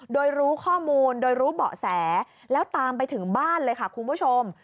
โดยรู้ข้อมูลโดยรู้เบาะแสแล้วตามไปถึงบ้านเลยค่ะคุณผู้ชม